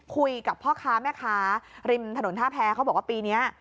คุยกับพ่อค้าแม่ค้าริมถนนท่าแพ้เขาบอกว่าปีนี้